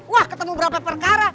wah ketemu berapa perkara